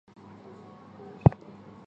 伊凡雷帝和捷姆留克的女儿结姻。